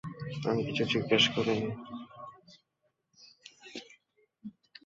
আমি কিছু জিজ্ঞেস করিনি?